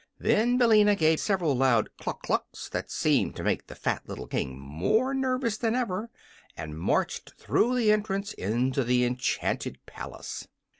Then Billina gave several loud "cluck clucks" that seemed to make the fat little King MORE nervous than ever, and marched through the entrance into the enchanted palace.